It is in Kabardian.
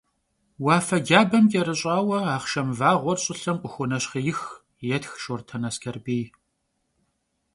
«Уафэ джабэм кӀэрыщтхьауэ Ахъшэм вагъуэр щӀылъэм къыхуонэщхъеих», - етх Шортэн Аскэрбий.